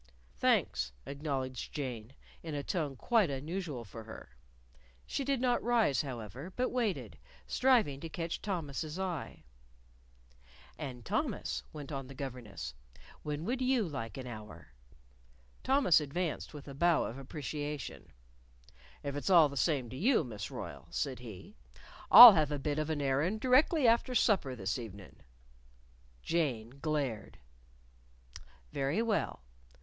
"Thanks," acknowledged Jane, in a tone quite unusual for her. She did not rise, however, but waited, striving to catch Thomas's eye. "And, Thomas," went on the governess, "when would you like an hour?" Thomas advanced with a bow of appreciation. "If it's all the same to you, Miss Royle," said he, "I'll have a bit of an airin' directly after supper this evenin'." Jane glared. "Very well."